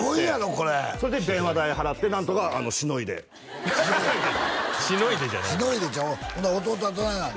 これそれで電話代払ってなんとかしのいで「しのいで」って「しのいで」じゃない「しのいで」ちゃうわほんなら弟はどないなんの？